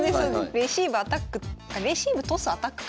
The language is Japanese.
レシーブアタックあレシーブトスアタックかな。